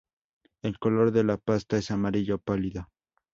El color de la pasta es amarillo pálido.